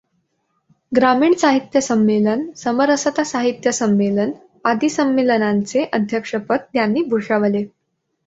ग्रामीण साहित्य संमेलन, समरसता साहित्य संमेलन आदी संमेलनांचे अध्यक्षपद त्यांनी भूषवले.